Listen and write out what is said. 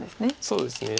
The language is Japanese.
そうですね。